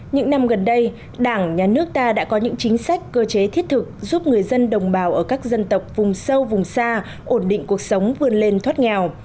những năm gần đây đảng nhà nước ta đã có những chính sách cơ chế thiết thực giúp người dân đồng bào ở các dân tộc vùng sâu vùng xa ổn định cuộc sống vươn lên thoát nghèo